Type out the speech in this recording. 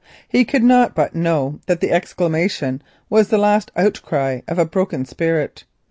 He could not but know that it was the last outcry of a broken spirit.